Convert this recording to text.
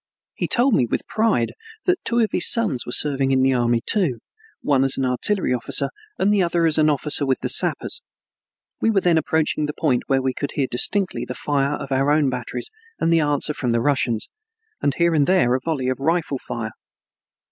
He told me with pride that two of his sons were serving in the army, too, one as an artillery officer and the other one as an officer with the sappers. We were then approaching the point where we could hear distinctly the fire of our own batteries and the answer from the Russians, and here and there a volley of rifle fire.